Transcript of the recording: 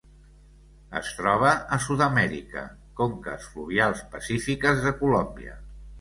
Es troba a Sud-amèrica: conques fluvials pacífiques de Colòmbia.